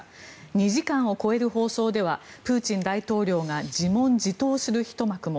２時間を超える放送ではプーチン大統領が自問自答するひと幕も。